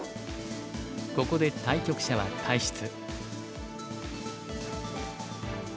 ここで対局者は退室。